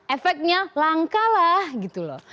efeknya langka lah gitu loh